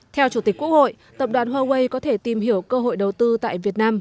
theo chủ tịch quốc hội tập đoàn huawei có thể tìm hiểu cơ hội đầu tư tại việt nam